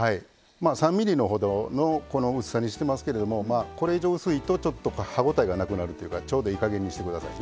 ３ｍｍほどのこの薄さにしてますけれどもこれ以上薄いとちょっと歯応えがなくなるというかちょうどいい加減にして下さいね。